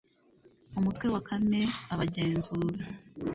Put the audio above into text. umutwe wa kaneabagenzuzi